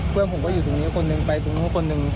เพื่อนผมก็อยู่ตรงนี้คนหนึ่งไปตรงนู้นคนหนึ่ง